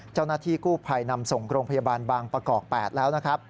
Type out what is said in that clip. เจ้าหน้าที่กู้ภัยนำส่งโรงพยาบาลบางประกอบ๘แล้วนะครับ